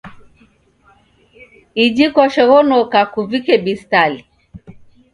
Iji kwashoghonoka, kuvike bistali.